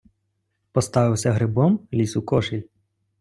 Поставився грибом, лізь у кошіль.